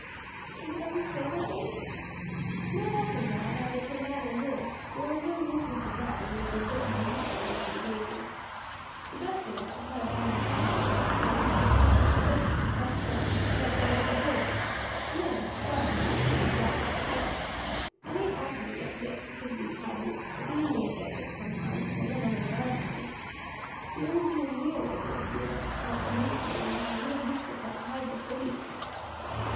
"Is it always fatal, Abe?" "Not often, lad, either to man or horse, though I have known horses die when they have been bit in the head when they have been grazing. The best thing is to tie a bandage tightly above the place, and to clap on a poultice of fresh dung that draws out the poison; and then, if you have got it, drink half a bottle of spirits. It ain't often we get bit, because of these high boots; but the Injins get bit sometimes, and I never heard of thar dying. The only thing as we are regular feered of out in these plains is a little beast they call the hydrophobia cat."